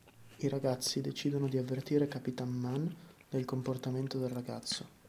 I ragazzi decidono di avvertire Capitan Man del comportamento del ragazzo.